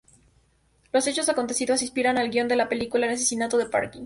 Los hechos acontecidos inspiraron el guion de la película "El asesino del parking".